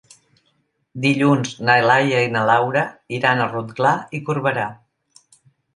Dilluns na Laia i na Laura iran a Rotglà i Corberà.